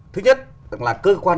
thứ nhất là cơ quan